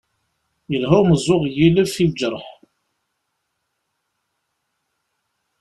Yelha umeẓẓuɣ n yilef i lǧerḥ.